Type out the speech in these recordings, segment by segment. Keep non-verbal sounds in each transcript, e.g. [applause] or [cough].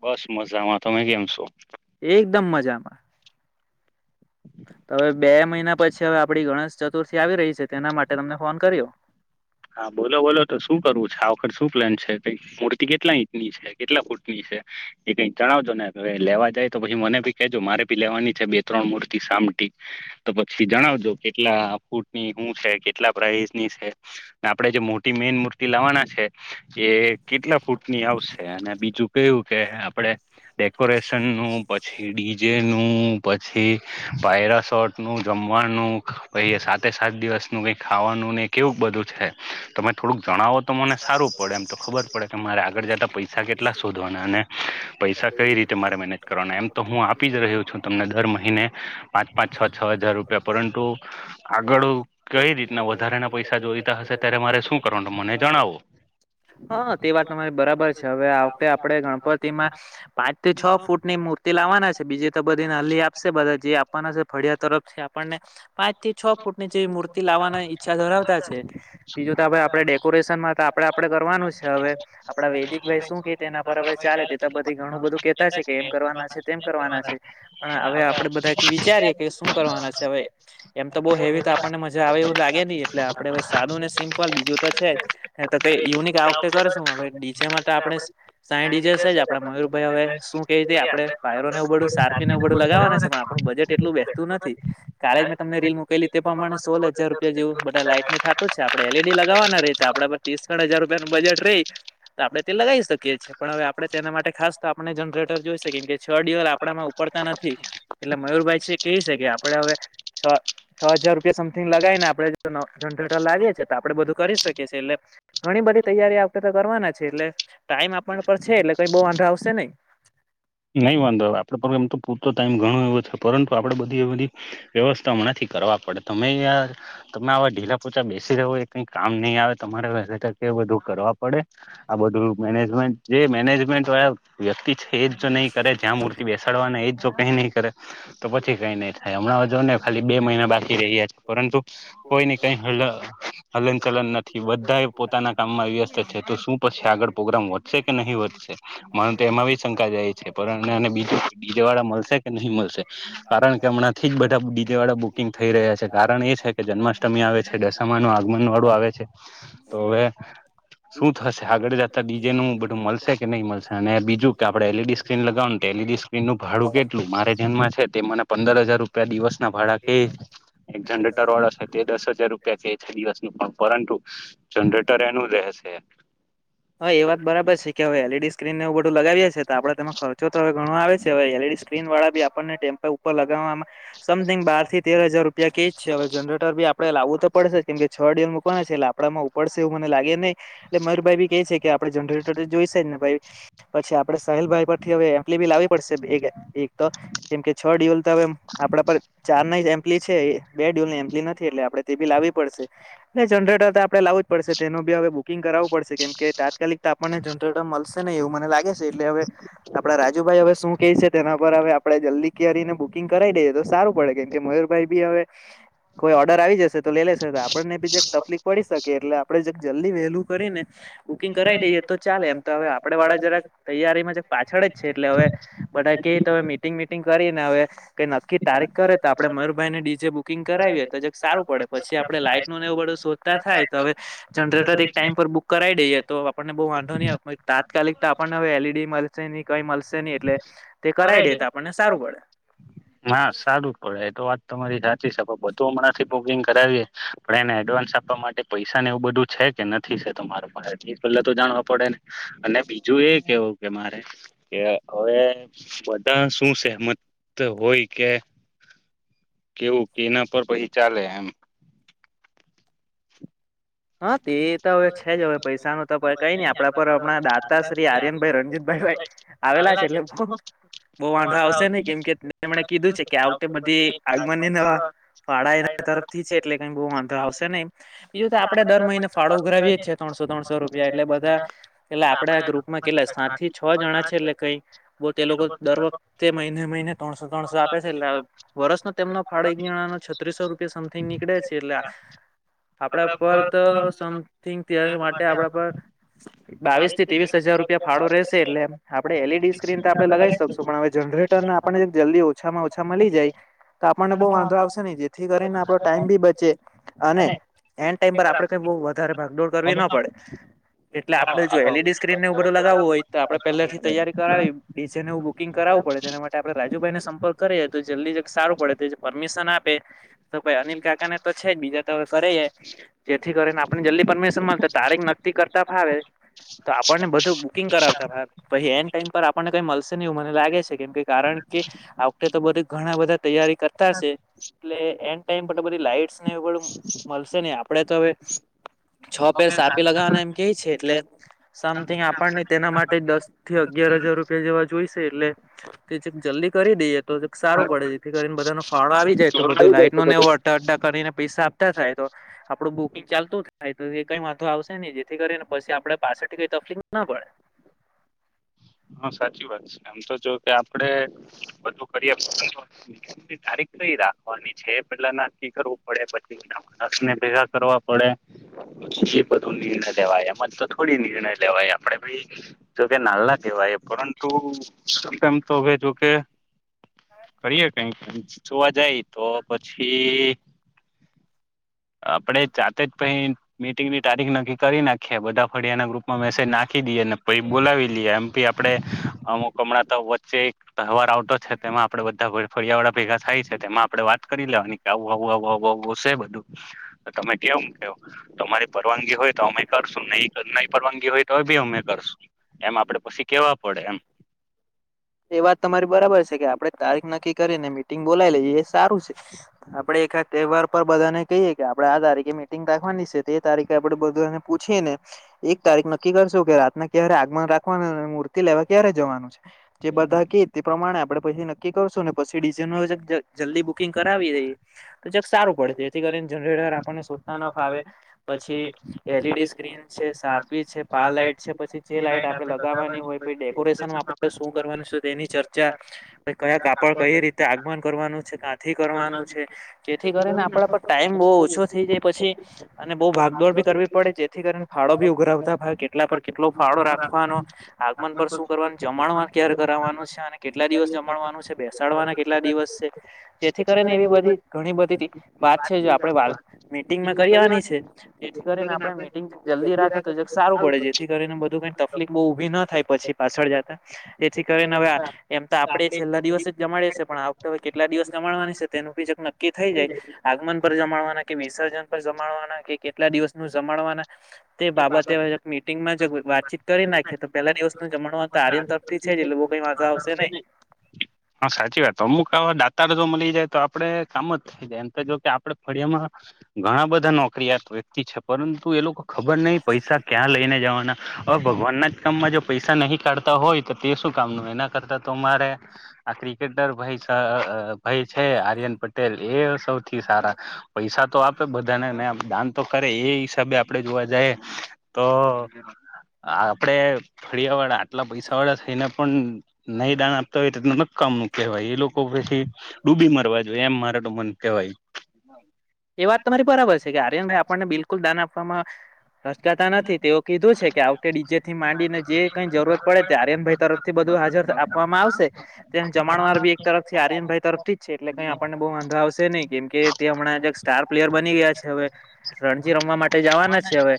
બસ મજામાં તમે કેમ છો મજામાં હવે બે મહિના પછી હવે આપડી ગણેશ ચતુર્થી આવી રહી છે તેના માટે તમને ફોન કર્યો હા બોલો બોલો તો શું કરવું છે આ વખત શું પ્લેન છે મૂર્તિ કેટલા ઈંચ ની છે કેટલા ફૂટ ની છે એ કઈક જણાવજો ને લેવા જાય તો પછી મને કજો મારે ભી લેવાની છે બે ત્રણ મૂર્તિ સામટી તો પછી જણાવજો કેટલા ફૂટની શું છે કેટલા પ્રાઇઝ ની છે આપણેે જે મોટી મેન મૂર્તિ લાવાના છે એ કેટલા ફૂટની આવશે અને બીજું કયું કે આપડે ડેકોરેશન નું પછી ડિજે નું પછી પાયરા શોટ નું જમવાનું ભાઈ સાથે સાત દિવસ નું કઈ ખાવાનું ને કેવું બધું છે તમે થોડુંક જણાવો તો મને સારું પડે એમ તો ખબર પડે કે મારે આગળ જતા પૈસા કેટલા શોધવાના અને પૈસા કઈ રીતે મારે મેનેજ કરવાના એમ તો હું આપી જ રહ્યો છું તમને દર મહિને પાંચ પાંચ છ છ હજાર રૂપિયા છે પરંતુ આગળ કઈ રીતના વધારે ના પૈસા જોઈતા હશે ત્યારે મારે શું કરવાનો મને જણાવો હા તે વાત તમારી બરાબર છે હવે આ વખતે આપડે ગણપતિમાં પાંચથી છ ફૂટની મૂર્તિ લાવવાના છે બીજી તો બધી નાલ્લી આપશે બધા જે આપવાના છે ફળિયા તરફ આપણને પાંચથી છ ફૂટની જે મૂર્તિ લાવવાની ઈચ્છા ધરાવતા છે બીજું તો આપેડે આપડે દે ડેકોરેશન તો આપડે આપડે કરવાનું છે હવે આપડા વૈદિક ભાઈ શું કે તેના પર હવે ચાલે તે ત બધી ઘણું બધું કેતા છે કે એમ કરવાના છે તેમ કરવાના છે પણ હવે આપડે બધા વિચારીએ કે શું કરવાના છે હવે એમ તો બોહેવી તો આપણને મજા આવે એવું લાગે ની એટલે આપડે અવે સાદુને સિમ્પલ બીજું તો છે જ તો કઈ યુનિક આ વખતે કરશું ડીજે મા તો આપણે સાઈ ડીજે છે જ આપણ મા ધ્રુવ ભાઈ હવે શું કેય તે આપડે પાયરોને એવું બધુ સારપીને એવું બધુ લગાવવાના છે પણ આપણું બજેટ એટલું બેસતું નથી. કાલે જ મેં તમને રીલ મુકેલી તે પ્રમાણે સોલ હજાર રૂપિયા જેવું બધા લાઈટનું થાતું છે આપણે એલઈડી લગાવાના ના રેય તો આપણા પર ત્રીસ ખણ હજાર રૂપિયાનું બજેટ રેય તો આપણે તે લગાવી શકીએ છે પણ હવે આપણેે તેના માટે ખાસ બસ તો આપને જનરેટર જોઈશે કેમ કે છ ડી [unintelligible] આપણામાં ઉપડતા નથી એટલે મયુરભાઈ છે કેય છે કે આપણા આપડે અવે છ છ હજાર તે સમથિંગ લગાયને, આપણે જનરેટર લાવીએ છે, તો આપડે બધું કરી શકીએ છેલ્લે ઘણી બધી તૈયારી આપણે, તો કરવાના છે, એટલે ટાઈમ આપણ પર છે, એટલે કઈ બો વાંધો આવશે નય નય વાંધો આવે આપડે પર એમ તો પૂરતો ટાઈમ ઘણો એવો છે, પરંતુ આપડે બધી એ બધી વ્યવસ્થાઓ નથી. કરવા પડે, તમે યાર તમે આવા ઢીલા પોચા બેસી રહો, એ કઈક કામની આવે તમારે અવે કે બધુ કરવા પડે, આ બધું મેનેજમેન્ટ જે મેનેજમેન્ટ વાળા વ્યક્તિ છે, એજ જો નહીં, કરે ત્યાં મૂર્તિ બેસાડવાને એજો કઈ નહીં, કરે તો પછી કઈ નય થાય હમણાં, જો ને ખાલી બે મહિના બાકી રહ્યા છે, પરંતુ કોઈને કઈ હલ હલન ચલન નથી, બધાએ પોતાના કામમાં વ્યસ્ત છે, તો શું પછી આગળ પ્રોગ્રામ વધશે કે નહી. વધશે મને તો એમાં બી શંકા જાય છે, પણ અને બીજ ડી જે વાળા મળશે કે નહી મલશે કારણ, કે હમણાંથી જ બધા ડી જે વાળા બુકિંગ થઈ રહ્યા છે. કારણ એ છે, કે જન્માષ્ટમી આવે છે. દશામાનું આગમન વાળું આવે છે, તો હવે શું થશે આગળ જતા, ડી જે નું બધું મલશે કે નહી. મલશે અને બીજું કે આપડે એલઈડી સ્ક્રીન લગાવનું, તે એલઈડી સ્ક્રીનનું ભાડું કેટલું મારે ધ્યાનમાં છે. તે મને પંદર હજાર રૂપિયા દિવસના ભાડા કેય એક જનરેટર વાળો છે, તે દસ હજાર રૂપિયા છે, દિવસનુ પણ પરંતુ હા, એ વાત બરાબર છે, કે હવે એલઈડી સ્ક્રીન ને એવું બ ધુ લગાવીએ છે તો આપણે તેમાં ખર્ચો તો હવે ઘણો આવે છે, હવે એલઈડી સ્ક્રીન વાળા બી આપણને ટેમ્પર ઉપર લગાવવામાં સમથિંગ બારથી તેર હજાર રૂપિયા કેજ છે, હવે જનરેટર બી આપડે લાવવું તો પડશે જ કેમ કે છ ડીલ મુ પણ છે, એટલે આપણામાં ઉપડશે એવું મને લાગે નય એટલે મારો ભાઈ બી કેય છે, કે આપણે જનરેટર, તો જોઈશે જ ને ભાઈ પછી, આપ આપણે સાહીલભાઈ પરથી હવે એમ્પલી બી લાવી પડશે એક, એક તો કેમકે છ ડીઓલ, તો હવે આપણા પર ચાર ના જ એમ્પલી છે, એ બે ડ્યુલની એમ્પલી નથી, એટલે આપડે તે બી લાવી પડશે. ને જનરેટર, તો આપણે લાવું જ પડશે, તેનું બી હવે બુકિંગ કરાવું, પડશે કેમ કે તાત્કાલિક તો આપણને જનરેટર મલશે તને એવું મને લાગે છે, એટલે હવે, આપણા રાજુભાઈ હવે શું કેય છે. તેના પર હવે, આપડે જલ્દી કરીને બુકિંગ કરાઈ દઈએ, તો સારું પડે કેમકે મયુરભાઈ બી હવે કોઈ ઓર્ડર આવી જશે, તો લઈ લેશે તો આપણને બી જક તકલીફ પડી શકે એટલે આપડે જક જલ્દી, વહેલું કરીને બુકિંગ કરાઈ દઈએ, તો ચાલે એમ તો હવે આપડે વાળા જરાક તૈયારીમાં જક પાછળ જ છે, એટલે હવે બધા કેય તો મીટિંગ મીટિંગ કરીને હવે કઈ નક્કી, તારીખ કરે તો આપણે મયુરભાઈ ને ડીજે બુક કિંગ કરાવીએ, તો જક સારું પડે પછી આપડે લાઈટનું નેવું બધુ શોધતા થાય, તો હવે જનરેટર એક ટાઈમ પર બુક કરાઈ દઈએ, તો આપણને બો વાંધોની આવે પણ તાત્કાલિક ત આપણને હવે એલઈડી મળશેની કઈ મલશે ની એટલે, તે કરાઈ દે ત આપણને સારું પડે હ સારું, પડે તમારી ધા થી બધું હમણાંથી બુકિંગ કરાવીએ, પણ એને એડવાન્સ આપવા માટે પૈસાને એવું બધું છે, કે નથી. તો મારે, મારે પહેલા તો જાણવા પડે ને અને બીજું, એ કેવું કે મારે કે અ હવે બધા શું સહેમત હોય, કે કેવું કે એના પર પહી, ચાલે એમ હા. તે તો હવે છેજ હવે પૈસા, ન તો કઈ નઈ, આપડા પર હમણાં દાતા, શ્રી આર્યનભાઈ રણજીતભાઈ ભાઈ આવેલા છે, એટલે બહુ બહુ વાંધો આવશે નઈ કેમ કે એમને કીધું છે. કે આવતે બધી ઉ નવા વાડા તરફથી છે, એટલે ક બ વાંધો આવશે ને બીજું આપડે દર મહિના ફ ઉઘરાવી છે, ત્રણસો ત્રણસો રૂપિયા એટલે બધા એટલે આપડા ગ્રુપમાં કેટ સાત થી, છ જણા છે, એટલે ક તે લોકો દર વખતે મહિના, મહિના ત્રણસો ત્રણસો આપે છે. એટલે વર્ષનો તેમનો ફાળ આપ એક જણા ન છત્રીસો રૂપિયા સમથીિંગ નીકળે છે, એટલે આપડા પર ત માટે આપણા પર બાવીસ થી ત્રીવીસ હજાર રૂપિયા ભાડો રહેેશે, એટલે આપણે એલઈડી સ્ક્રીન, તો આપડણે લગાવી શકશું પણ હવે જો ન્રેટરને આપને જલ્દી ઓછામા, ઓછામા મળી જાય તો આપણને બઉ વાંધો આવશે નહી, જેથી કરીને આપડો ટાઈમ બી બચે અને એન્ડ ટાઈમ પર આપણે ભાગડોડ કરવી ના પડે. એટલે આપડે જો એલઈડી સ્ક્રીન ને ઉર લગાવવું હોય તો આપે પહેલા થી તૈયારી કરાવી ડીઝે નું બુકિંગ કરાવી. પડે તેના માટે આપણે રાજુભાઈને સંપર્ક કરીએ તો જલ્દી જ સારું પડે તે પરમિશન આપે. તો પાઈ અનિલ કાકાને તો છે જ બીજા તો કરે. જેથી કરીને આપને જલ્દી પરમિશન મળત તારીખ નક્કી કરતા ફાવે. તો આપણને બધું બુકિંગ કરાવતા ફાવે પછી એન ટાઈમ પર આપણને કઈ મલસે નહી એવુ મને લાગે છે કેમ કારણ. કે આવખતે તો બધે ઘણા બધા તૈયારી કરતાસે એટલે એન ટાઈમે પર તો બધી લાઈટસ ન એવ પણ મળશે નહી આપડે તો હવે. છો પેર સાપી લગાવવાના એમ કે છે એટલે સમથિંગ આપણને તેના માટે દસ થી. અગિયાર હજાર રૂપિયા જેવા જોઈશે એટલે. જલ્દી કરી દઈએ તો સારું પડે જેથી કરીનેધાો ફાળ આવી જાય તો બધું લાઈટ નોન એવો અટાટા કરીને પૈસા આપતા થાય તો. આપડું બુકિંગ ચાલતું થાય તો એ કઈ વાંધો આવશે નને જેથી કરીને ને પછી આપડે પાછળથી કઈ તકલીફ ના પડે. [inaudible] હા સાચી વાત છે આમ તો જો કે આપડે બધું કરી તારી. કઈ રાખવાની છે પેલા નક્કી કરવું પડે પછી એના માણસને ભેગા કરવા પડે. એ બધો નિર્ણય લેવાય એમાં જ તો થોડી નિર્ણય લેવાય આપડે ભાઈ જોકે નાલના. દેવા એ પરંતુ સામે ટાઈમે તો હવે જોકે. કરીએ કઈક જોવા જાય તો પછી. આપડે જાતે જ પ મીટિંગની તારીખ નક્કી કરી નાખી બધા ફળિયા ના ગ્રુપ. માં મેસેજ નાખી દી ને પછી બોલાવી લે એમ. આપણેે અમુકઅમણા તો વચ્ચે એક તહેવાર આવતો છે તેમાં આપડે બધા વ ફરિયા વાળા ભેગા થાય. તેમાં આપણે વાત કરી લેવાની કે આવું આવું આવ આવ આવુંશે બધું તો તમે કેમ કો. તમારી પરવાનગી હોય તો અમે કરશું નહી ન પરવાનગી હોય તો બી અમે કરશું એમ આપડે પછી. એ વાત તમારી બરાબર છે કે આપડે. તારીખ નક્કી કરીને મીટિંગ બોલાવી લઈએ એ સારું છે આપડે એકાદ તહેવાર પર બધા ને કહીએ કે. આપણે આ તારીખે મીટિંગ રાખવાની સે તો એ તારીખે આપડે બધુંને પૂછીને એક તારીખ ન કરશું કે રાતને ક્યારે આગમન રાખવાનું મૂર્તિ લેવા ક્યારે જવાનું છે. જે બધા કે તે પ્રમાણે આપણે. પછી નક્કી કરશો ને પછી ડીઝલ ન જ જલ્દી બુકિંગ કરાવી દઈ તોક સારું પડે જેથી કરીને. જનરેટર આપણને સૂચતા ન ફાવે પછી એલઈડી સ્ક્રીન છે સારપી છે. તો આ લાાઈટ છે પછી જે લાઈટ આપડણે લગાવવાની હોય પ ડેકોરેશન આપડે શું કરવાનું છે તેની ચર્ચા. કયા કાપડ કઈ રીતે આગમન કરવાનું છે થીકરવાનું છે જેથી કરીને આપણા પર ટાઈમ બહુ ઓછો થઈ જાય પછી અને બઉ ભાગદોડ. કરવી પડે જેથી કરીને ફાળો ભી ઉઘરાવતા. કેટલા પર કેટલો ફાળો રાખવાનો આગમન પર શું કરવાનું જમાણવા ક્યારે કરાવવાનું છે. અને કેટ, કેટલા દિવસ જમડવાનું છે બેસાડવાના કેટલા દિવસ છે. જેથી કરીે ને એવી બધી ઘણી બધી વાત છે આપે વા. મિટિંગમાં કરી આવવાની છે જેથી કરીને આપણે મિટિંગ જલ્દી રાખી. સારું પડે જેથી કરીને બધું કઈ તકલીફ બહુ ઉઊભી ના થાય પછી પાછળ જતા જેથી કરીને હવે. એમ તો આપડે છેલ્લા દિવસ જમાડીએ છે પણ આ વક કેટલા દિવસ જમાડવાની છે તેનું ભીજક નક્કી થઈ જાય. આગમન પર જમાડવાના કે વિસર્જન પર જમાડવાના કે કેટલા દિવસ ન જમાડવાના. તે બાબતે મીટિંગમાં વાતચીત કરી નાખી તો પેલા દિવસ ન જમણ તો આર્યન તરફથી છે જ. હા સાચી વાતમુકા. તાર જો મળી જાય તો આપડે કામ જ થઈ જાય એમ તો જો કે આપડે ફરિયામાં ઘણા બધા નોકરીિયાત હોય. વ્યક્તિ છે પરંતુ એ લોકો. ખબર નહ પૈસા ક્યાં લઈને જવાના હવે ભગવાન ના જ કામમાં જો પૈસા નહીં કાઢતા હોય તો તે શ. ું કામનું એના કરતા તો મારે આ ક્રિકેટર ભાઈ. ભાઈ છે આર્યન પટેલ એ સૌથી સારા. પૈસા તો આપે બધાને ને દાન તો કરે એ હિસાબે આપ. આપડે જોવા જઈ તો આપડે ફરિયા વાળા આટલા પૈસા વાળા થઈને પણ નહી દાન આપતા હોય તો નક્કામુ કહેવાય એ લોકો પછી ડૂબી મરવા જોએ એમ મારા તો મન કેવાય. એ વાત તમારી બરાબર છે કે આર્યન ભાઈ આપણને બિલકુલ દાન આપવામાં રચકાતા નથી તેઓ કીધું છે કે આવતે ડીજે થી માંડી ને જે કઈ જરૂરત પડે તે આર્યન ભાઈ તરફથી બધું હાજર આપવામાં આવશે. તેને જમાણવાર બી એક તરફથી આરયનભાઈ તરફથી જ છે. એટલે કઈ આપણને બહુ વાંધા આવશે નહી કેમ કે તે હમણાં સ્ટાર પ્લેયર બની ગયા છે હવે રણજી રમવા માટે જવાના છે હવે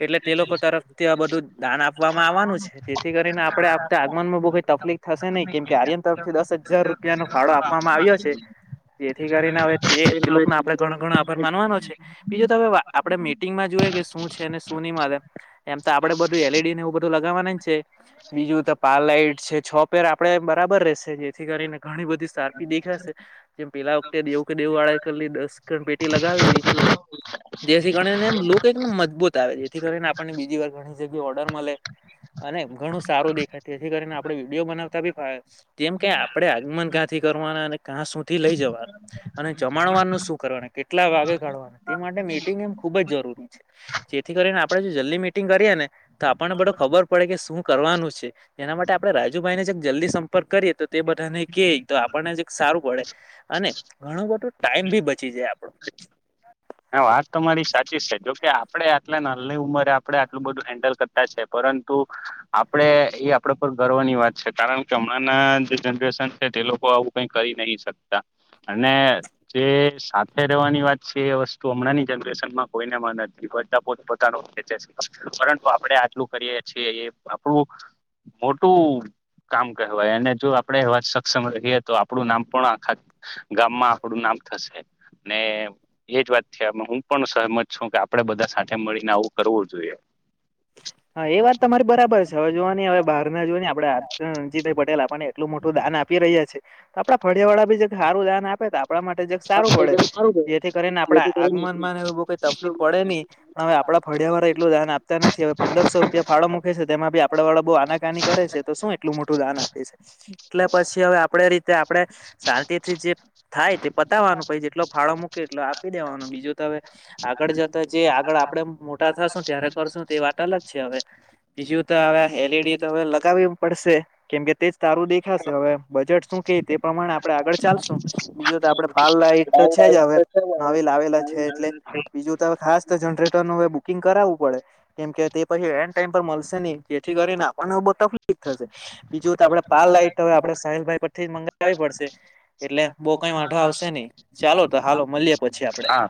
એટલે તે લોકો તરફથી આ બધું દાન આપવામાં આવવાનું છે. જેથી કરીને આપડે આગમન માં બ તકલીફ થશે નહી કેમ કે આર્યન તરફથી દસ હજાર રૂપિયાનો ફાળો આપ વામા આવ્યો છે. જેથી કરીને હવે તે ના આપે ગણ ગણા માનવાનો છે. બીજ આપે મીટિંગમાં જોઈએ કે શું છેને શું ની મળે એમ તો આપડે બ એલ ઈ ડી ને એવું બધું લગાવવાનું છે. બીજું તો પાર લઇટ છે છ પેર આપડે બરાબર રહેેશે જે થી કરીને ઘણી બધી સારપી દેખાશે જેમ પેલા વખતે દેવ દેવ વાળાએ કરલી દસ ગણ પેટી લગાવેલી જેથી કરીને એ લોકો એકદમ મજબૂત આવે જેથી કરીને આપણને બીજી વાર ઘણી જગ્યા ઓર્ડર મળે અને ઘણું સારું દેખાય. જેથી કરીને આપડે વિડીયો બનાવતા બી ફાવે. જેમ કે આપડે આગમન કાંથી કરવાના અને કાં સુધી લઈ જવાના અને જમાણવાનું શું કરવાનું કેટલા વાગે કાઢવાનું તે માટે મીટિંગ એમ ખુબ જ જરૂરી છે. જેથી કરીને આપણેે જલ્દી મીટિંગ કરીએ ને તો આપણને બધ ખબર પડે કે શું કરવાનું છે. એના માટે આપડે રાજુભાઈને જ જલ્દી સંપર્ક કરીએ તો તે બધાને કેય તો આપણને જ સારું પડે અને ઘણું બધું ટાઈમ ભી બચી જાય આપણો હા વાત તો મારી સાચી છે. જોકે આપડે આટલા નની ઉંમરે આપડે આલું બધું હેન્ડલ કરતા છે પરંતુ આપણેે એ આપડા પર ગર્વની વાત છે. કારણ કે હમણાં જે જનરેશન છે તે લોકો આવું કઈ કરી નહી શકતા અને જે સાથે રહેવાની વાત છે એ વસ્ તુ હમણાં જનરેશન માં કોઈને નથી બતા પો પોતાનોચ. પરંતુ આપડે આટલું કરીએ છે એ આપણું મોટું કામ કહેવાય અને જો આપડે વાત સક્ષમ રહીએ તો આપડું નામ પણ આખા ગામમાં આપડું નામ થશે ને એજ વાત હું પણ સહમત છું કે આપડે બધા સાથે મળીને આવું કરવું જોઈએ. હા એ વાત તમારે બરાબર છે. હવે જોવાની હવે બહાર જ જોય ને આપણે રણજીતભાઈ પટેલ આપવાને એટલું મોટું દાન આપે આપી રહ્યા છે. તો આપડા ફરિયા વાળા ભી સારું દાન આપે આપણા માટે જ સારું પડે જેથી કરીને આપણા આગમન માં એવું કઈ તકલીફ પડે નહી પણ હવે આપડા ફળિયાવાળા એટલું દાન આપતા નથી હવે પંદરસો રૂપિયા ફાળો મૂકે છે. તેમાં બી આપેટા વાળા બહુ આનાકાની કરે છે તો શું એટલું મોટું દાન આપે છે. એટલે પછી હવે આપડે આપણે શાંતિથી જે થાય તે પતાવવાનું પછી જેટલો ફાળો મૂકે એટલો આપી દેવાનો બીજું તો હવે આગળ જતા જે આગળ આપડે મોટા થશું ત્યારે પશુ તે વાત અલગ છે હવે બીજું તો હવે એલ ઈ ડી તો હવે લગાવવી પડશે. કેમ કે તેજ તારું દેખાશે હવે બજેટ શું કે તે પ્રમાણે આપડે આગળ ચાલશું. બીજું તો આપડણે પાલ લાઇટ છે જ હવે નવી લાવેલા છે એટલે. બીજું તો હવે ખાસ તો જનરેટર નું હવે બુકિંગ કરાવું કેમ કે તે પછી એ ટાઈમ પર મળશે નહી જેથી કરીને આપણને બહુ તકલીફ થશે. બીજું આપડે પાલ લાઈટ આપડે સાહેલભાઈ પરથી જ મંગાવવી પડશે એટલે બહુ કઈ વાઢો આવશે નહી. ચાલો તો હાલો મળીએે પછી આપડે. [inaudible]